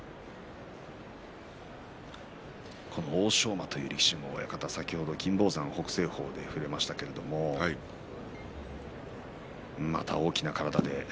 欧勝馬という力士も親方先ほど金峰山と北青鵬で触れましたがまた大きな体で。